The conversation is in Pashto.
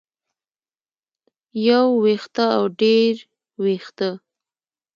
يو وېښتۀ او ډېر وېښتۀ